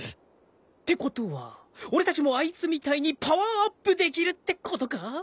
ってことは俺たちもあいつみたいにパワーアップできるってことか？